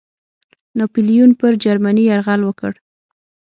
ناپلیون پر جرمني یرغل وکړ.